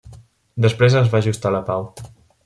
Després es va ajustar la pau.